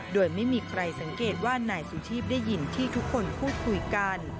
โดยไม่มีใครสังเกตว่านายสุชีพได้ยินที่ทุกคนพูดคุยกัน